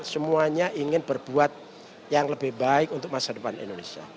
semuanya ingin berbuat yang lebih baik untuk masa depan indonesia